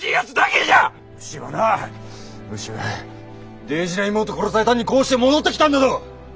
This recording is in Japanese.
ウシはなウシは大事な妹を殺されたのにこうして戻ってきたんだぞ！